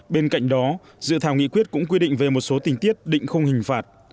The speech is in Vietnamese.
bên cạnh đó dự thảo nghị quyết cũng quy định về một số tình tiết định khung hình phạt